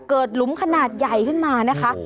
หลุมขนาดใหญ่ขึ้นมานะคะ